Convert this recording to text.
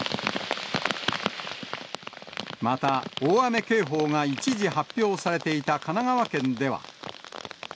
また大雨警報が一時発表されていた神奈川県では。